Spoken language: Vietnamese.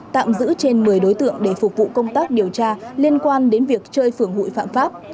tạm giữ trên một mươi đối tượng để phục vụ công tác điều tra liên quan đến việc chơi phường hụi phạm pháp